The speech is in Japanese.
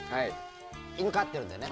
犬、飼ってるんだよね。